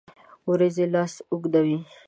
اوریځې لاس اوږدوي